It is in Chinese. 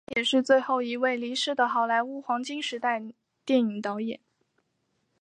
他也是最后一位离世的好莱坞黄金时代电影导演。